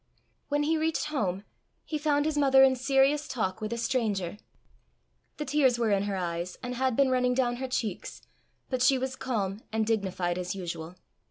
When he reached home, he found his mother in serious talk with a stranger. The tears were in her eyes, and had been running down her cheeks, but she was calm and dignified as usual.